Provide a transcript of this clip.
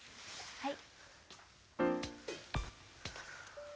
はい！